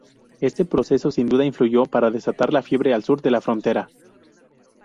Este proceso sin duda influyó para desatar la fiebre al sur de la frontera.